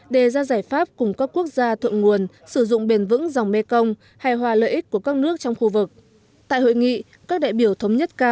để ra giải pháp cung cấp quốc gia thuận nguồn sử dụng bền vững dòng mekong hay hòa lợi ích của các nước trong khu vực